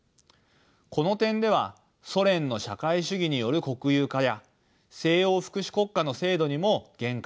この点ではソ連の社会主義による国有化や西欧福祉国家の制度にも限界や問題がありました。